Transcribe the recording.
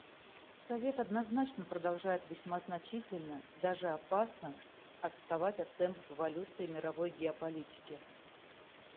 Совет однозначно продолжает весьма значительно, даже опасно, отставать от темпов эволюции мировой геополитики.